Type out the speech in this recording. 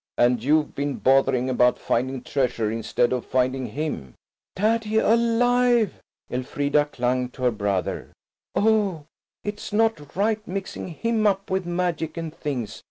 And you've been bothering about finding treasure instead of finding him." "Daddy–alive!" Elfrida clung to her brother. "Oh, it's not right, mixing him up with magic and things.